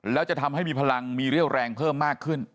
แล้วจะทำให้มีพลังมีเรี่ยวแรงเพิ่มมากขึ้น